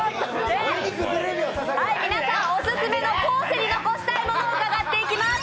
皆さん、オススメの後世に残したいものを伺っていきます。